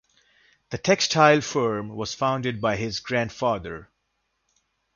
The textile firm was founded by his grandfather.